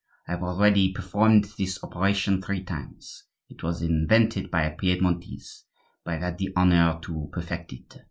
I have already performed this operation three times. It was invented by a Piedmontese; but I have had the honor to perfect it.